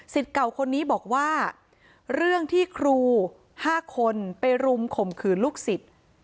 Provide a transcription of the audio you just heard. สิทธิ์เก่าคนนี้บอกว่าเรื่องที่ครูห้าคนไปรุมข่มขืนลูกสิทธิ์